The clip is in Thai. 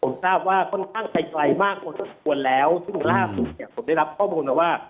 ผมทราบว่าค่อนข้างไกลมากพอสมควรแล้วซึ่งล่าสุดเนี่ยผมได้รับข้อมูลมาว่า